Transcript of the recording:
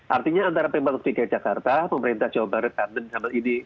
artinya antara pemerintah ketiga jakarta pemerintah jawa barat kandang sambal ini